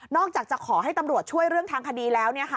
อกจากจะขอให้ตำรวจช่วยเรื่องทางคดีแล้ว